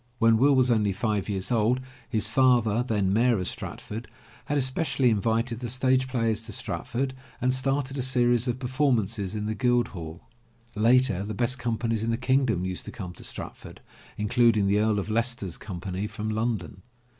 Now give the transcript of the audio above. When Will was only five years old, his father, then Mayor of Stratford, had especially in vited the stage players to Stratford and started a series of per formances in the Guild Hall. Later, the best companies in the kingdom used to come to Stratford, including the Earl of Leices ter's Company from London.